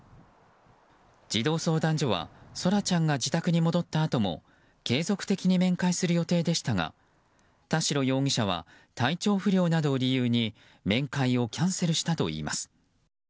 児童相談所は空来ちゃんが自宅に戻ったあとも継続的に面会する予定でしたが田代容疑者は体調不良などを理由に面会をキャンセルしたといいます。